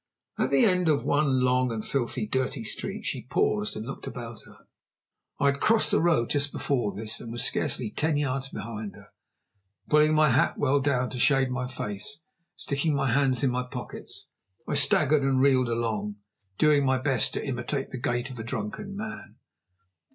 At the end of one long and filthily dirty street she paused and looked about her. I had crossed the road just before this, and was scarcely ten yards behind her. Pulling my hat well down to shade my face, and sticking my hands in my pockets, I staggered and reeled along, doing my best to imitate the gait of a drunken man.